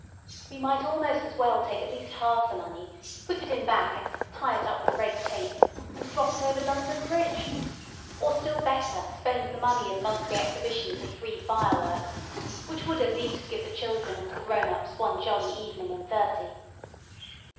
We might almost as well take at least half the money, put it in bags, tie it up with red tape, and drop it over London Bridge, or, still better, spend the money in monthly exhibitions of free fireworks, which would at least give the children and the grown ups one jolly evening in thirty.